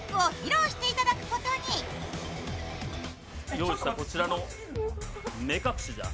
用意したこちらの目隠しじゃ。